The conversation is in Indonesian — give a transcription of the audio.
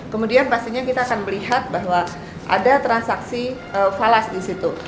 kemudian pastinya kita akan melihat bahwa ada transaksi falas di situ